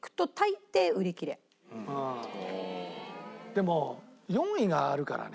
でも４位があるからね。